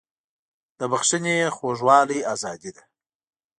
د بښنې خوږوالی ازادي ده.